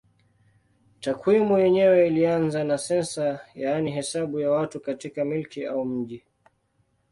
Takwimu yenyewe ilianza na sensa yaani hesabu ya watu katika milki au mji.